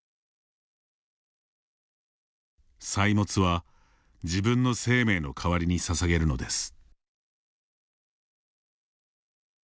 「祭物は、自分の生命の代わりに捧げるのです。」